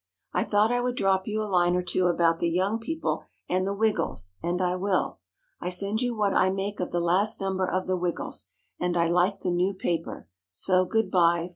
I thought I would drop you a line or two about the Young People and the "Wiggles," and I will. I send you what I make of the last number of the "Wiggles," and I like the new paper. So good by.